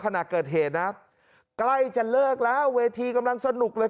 ขณะเกิดเหตุนะใกล้จะเลิกแล้วเวทีกำลังสนุกเลย